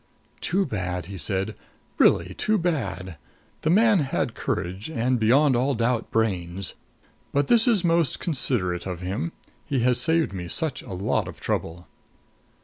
"Too bad!" he said. "Really too bad! The man had courage and, beyond all doubt, brains. But this is most considerate of him. He has saved me such a lot of trouble."